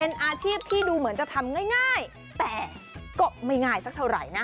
เป็นอาชีพที่ดูเหมือนจะทำง่ายแต่ก็ไม่ง่ายสักเท่าไหร่นะ